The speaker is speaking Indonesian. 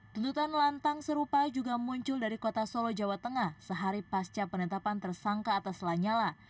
tuntutan lantang serupa juga muncul dari kota solo jawa tengah sehari pasca penetapan tersangka atas lanyala